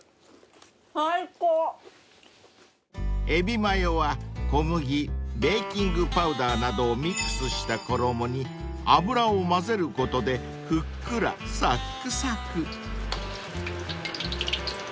［エビマヨは小麦ベーキングパウダーなどをミックスした衣に油を混ぜることでふっくらさっくさく］